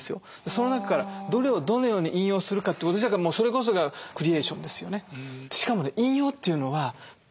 その中からどれをどのように引用するかということ自体がもうそれこそがクリエーションですよね。